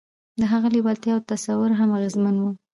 د هغه لېوالتیا او تصور هم اغېزمن وو